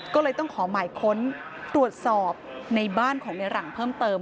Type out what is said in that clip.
ก็เลยต้องขอหมายค้นตรวจสอบในบ้านของในหลังเพิ่มเติม